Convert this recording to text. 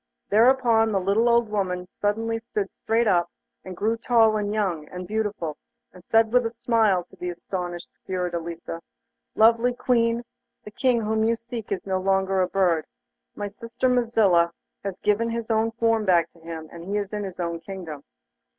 Thereupon the little old woman suddenly stood up straight, and grew tall, and young, and beautiful, and said with a smile to the astonished Fiordelisa: 'Lovely Queen, the King whom you seek is no longer a bird. My sister Mazilla has given his own form back to him, and he is in his own kingdom.